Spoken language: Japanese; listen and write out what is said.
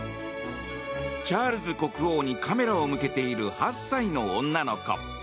チャールズ国王にカメラを向けている８歳の女の子。